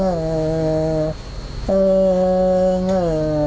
เอ่อเอ่อเอ่อเอ่อเอ่อ